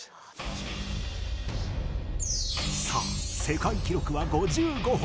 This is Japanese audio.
さあ世界記録は５５本！